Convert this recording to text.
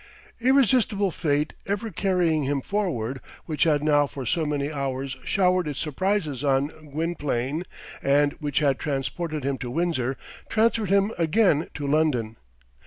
Irresistible Fate ever carrying him forward, which had now for so many hours showered its surprises on Gwynplaine, and which had transported him to Windsor, transferred him again to London.